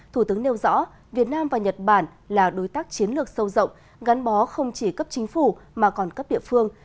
thủ tướng nêu rõ việt nam và nhật bản là đối tác chiến lược sâu rộng gắn bó không chỉ cấp chính phủ mà còn cấp địa phương